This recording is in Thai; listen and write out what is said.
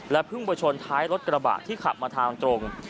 พุ่งไปชนท้ายรถกระบะที่ขับมาทางตรง